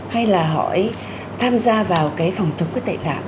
hay là họ tham gia vào phòng chống tệ tạm